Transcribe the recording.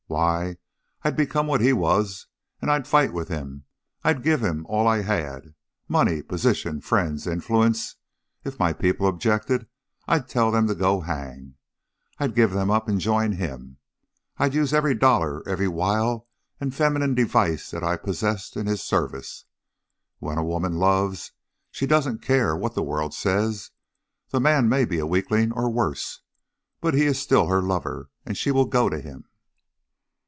"Why, I'd become what he was, and I'd fight with him. I'd give him all I had money, position, friends, influence; if my people objected, I'd tell them to go hang, I'd give them up and join him! I'd use every dollar, every wile and feminine device that I possessed in his service. When a woman loves, she doesn't care what the world says; the man may be a weakling, or worse, but he is still her lover, and she will go to him."